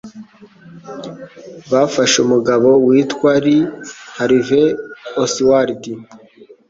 Bafashe umugabo witwa Lee Harvey Oswald.